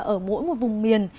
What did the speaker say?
ở mỗi một vùng miền